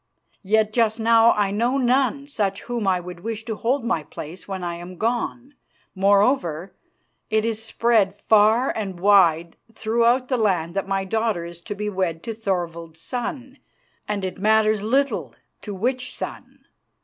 Yet just now I know none such whom I would wish to hold my place when I am gone. Moreover, it is spread far and wide throughout the land that my daughter is to be wed to Thorvald's son, and it matters little to which son.